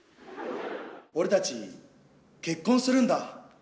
俺たち結婚するんだ。